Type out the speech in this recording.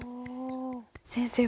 先生。